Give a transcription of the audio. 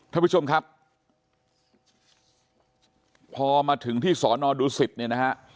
ท่านผู้ชมครับพอมาถึงที่สอนอดูสิตเนี่ยนะฮะ